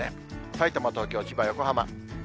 さいたま、東京、千葉、横浜。